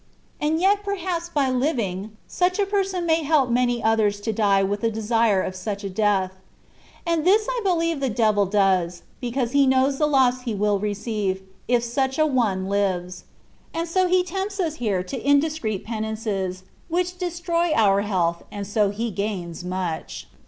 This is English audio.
And yet perhaps by living, such a person may help many others to die with the desire of such a death. And this I believe the devil does, because he knows the loss he will receive, if such an one lives ; and so he tempts us here to indis * The Saint, no doubt, alludes to herself. . 96 THE WAY OF PERFECTION. creet penances^ which destroy our healthy and so he gains much.